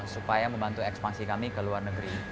supaya membantu ekspansi kami ke luar negeri